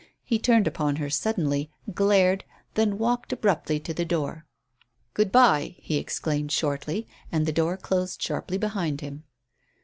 He turned upon her suddenly, glared, then walked abruptly to the door. "Good bye," he exclaimed shortly, and the door closed sharply behind him.